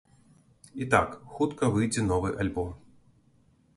І так, хутка выйдзе новы альбом.